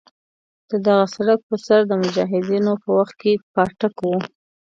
د دغه سړک پر سر د مجاهدینو په وخت کې پاټک وو.